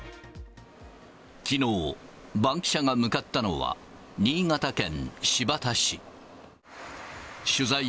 きのう、バンキシャが向かったのは、新潟県新発田市。